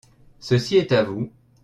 Ceci est à vous ?